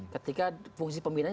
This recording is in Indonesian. ketika fungsi pembinanya